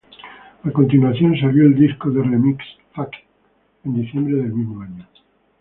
A continuación salió el disco de remixes "Fuck It" en diciembre del mismo año.